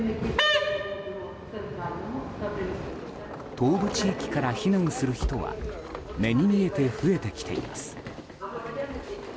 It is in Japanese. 東部地域から避難する人は目に見えて増えてきています。